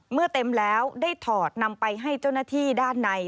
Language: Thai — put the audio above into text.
เมื่อเต็มแล้วได้ถอดนำไปให้เจ้าหน้าที่ด้านใน